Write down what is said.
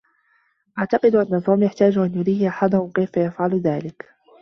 اعتقد ان توم يحتاج ان يريه احدهم كيف يفعل ذلك.